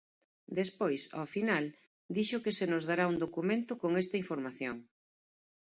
Despois, ao final, dixo que se nos dará un documento con esta información.